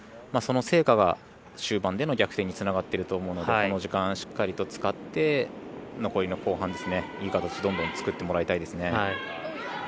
その成果が終盤での逆転につながってると思うのでこの時間しっかりと使って残りの後半いい形、どんどん作ってもらいたいですね。